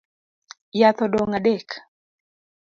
Yath odong’ adek